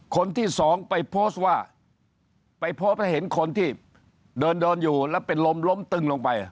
คนที่สองไปโพสต์ว่าไปโพสต์ให้เห็นคนที่เดินเดินอยู่แล้วเป็นลมล้มตึงลงไป